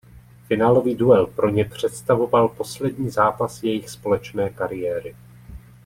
Finálový duel pro ně představoval poslední zápas jejich společné kariéry.